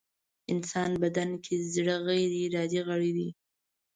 انسان بدن کې زړه غيري ارادې غړی دی.